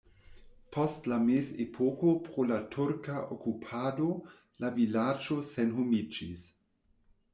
Post la mezepoko pro la turka okupado la vilaĝo senhomiĝis.